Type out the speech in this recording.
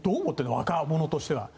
若者としては。